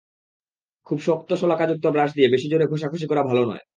খুব শক্ত শলাকাযুক্ত ব্রাশ দিয়ে বেশি জোরে ঘষাঘষি করা ভালো নয়।